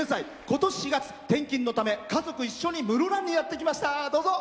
ことし４月転勤のため家族一緒に室蘭にやってきました。